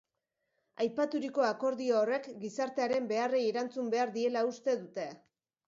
Aipaturiko akordio horrek gizartearen beharrei erantzun behar diela uste dute.